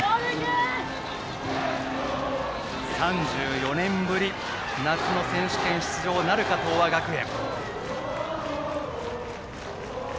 ３４年ぶり夏の選手権出場なるか東亜学園。